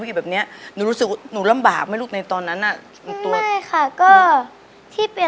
อวยยยลำบากจังเลย